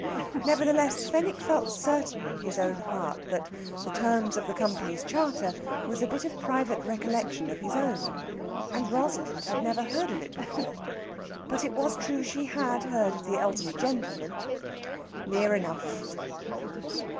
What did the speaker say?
Nevertheless, Fenwick felt certain in his own heart that "the terms of the Company's charter" was a bit of private recollection of his own. And Rosalind had never heard of it before. But it was true she had heard of the elderly gentleman. Near enough!